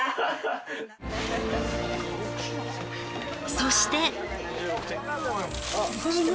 そして。